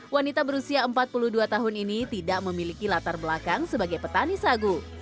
wanita berusia empat puluh dua tahun ini tidak memiliki latar belakang sebagai petani sagu